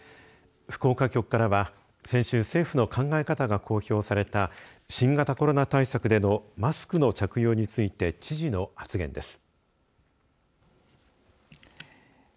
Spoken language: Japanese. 福岡局からは先週、政府の考え方が公表された新型コロナ対策でのマスクの着用について知事の発言です。